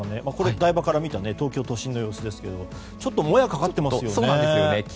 台場から見た東京都心の様子ですがちょっともやがかかってますよね。